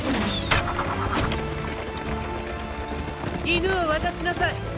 犬を渡しなさい。